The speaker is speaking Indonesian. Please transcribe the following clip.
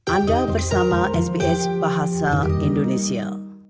anda bersama sbs bahasa indonesia